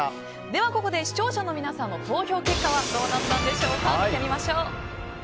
では、ここで視聴者の皆さんの投票結果はどうなったでしょうか。